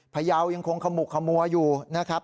พยาวยังคงขมุกขมัวอยู่นะครับ